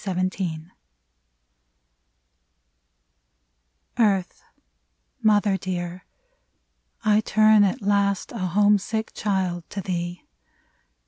151 AT DUSK TTarth, mother dear, I turn at last, A homesick child, to thee